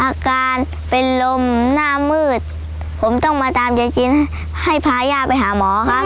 อาการเป็นลมหน้ามืดผมต้องมาตามยายกินให้พาย่าไปหาหมอครับ